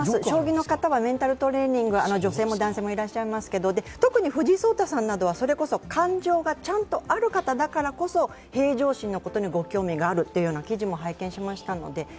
将棋の方はメンタルトレーニング女性も男性もいらっしゃいますが、特に藤井聡太さんは感情がちゃんとある方だから平常心のことにご興味もあるという記事も見ましたので。